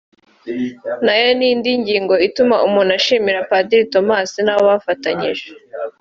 nayo ni indi ngingo ituma umuntu ashimira Padiri Thomas n’abo bafatanyije